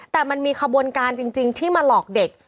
แต่มันมีขบวนการจริงที่มาหลอกเด็ก